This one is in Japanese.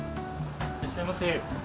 いらっしゃいませ。